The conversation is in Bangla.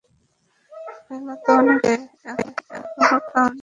বেলা তো অনেক হয়েছে, এখনো খাওনি?